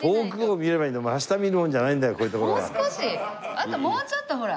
あともうちょっとほら。